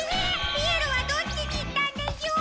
ピエロはどっちにいったんでしょう！？